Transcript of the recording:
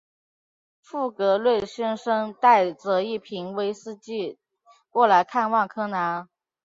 富格瑞先生带着一瓶威士忌过来看望柯南。